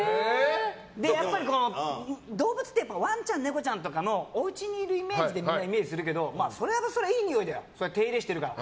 やっぱり動物ってワンちゃん、猫ちゃんとかおうちにいるイメージでみんなイメージするけどそれはいいにおいだよ手入れしてるから。